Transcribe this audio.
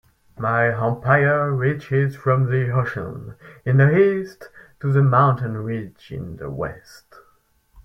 My empire reaches from the ocean in the East to the mountain ridge in the West.